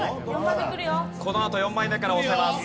このあと４枚目から押せます。